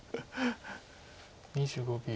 ２５秒。